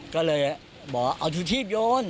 ก็เลยบอกเอาถุชีพโยน